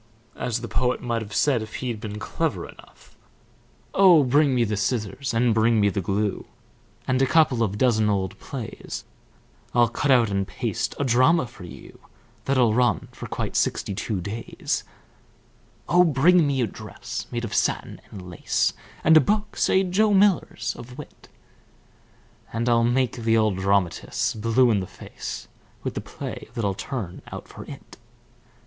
As the poet might have said if he'd been clever enough: Oh, bring me the scissors, And bring me the glue, And a couple of dozen old plays. I'll cut out and paste A drama for you That'll run for quite sixty two days. Oh, bring me a dress Made of satin and lace, And a book say Joe Miller's of wit; And I'll make the old dramatists Blue in the face With the play that I'll turn out for it.